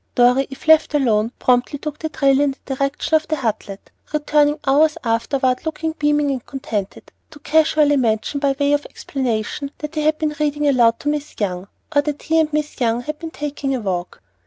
Dorry, if left alone, promptly took the trail in the direction of the "Hutlet," returning hours afterward looking beaming and contented, to casually mention by way of explanation that he had been reading aloud to Miss Young, or that he and Miss Young had been taking a walk.